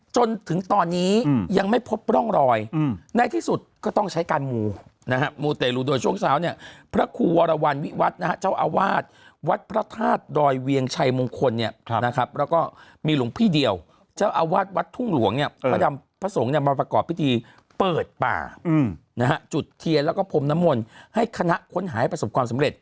เจ้าครูวรวรรวรวิวัตรนะเจ้าอาวาสวัตรพระธาตุดอยเวียงชัยมงคลเนี่ยนะครับแล้วก็มีหลวงพี่เดียวเจ้าอาวาสวัตรทุ่งหลวงเนี่ยพระดำพระสงฆ์เนี่ยมาประกอบพิธีเปิดป่านะฮะจุดเทียนแล้วก็ผมน้ำมนต์ให้คณะค้นหายประสบความสำเร็จ